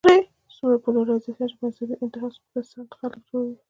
څومره پولرايزېشن چې مذهبي انتها پسند خلک جوړوي